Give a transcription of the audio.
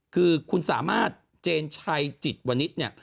คือคุณสามารถเจนชัยจิตวนิษฐ์เนี่ย